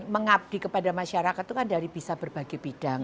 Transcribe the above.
mengabdi kepada masyarakat itu kan dari bisa berbagai bidang